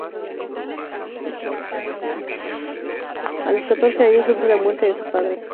A los catorce años, sufre la muerte de su padre.